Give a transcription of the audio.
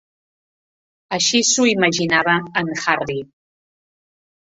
Així s'ho imaginava en Harry.